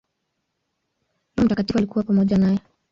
Roho Mtakatifu alikuwa pamoja naye.